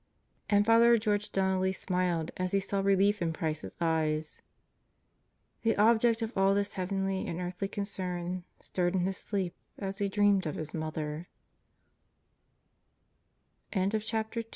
And Father George Donnelly smiled as he saw relief in Price's eyes. The object of all this heavenly and earthly concern stirred in his sleep as he dreame